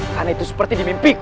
karena itu seperti di mimpiku